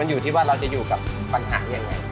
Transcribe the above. อยู่ที่ว่าเราจะอยู่กับปัญหายังไง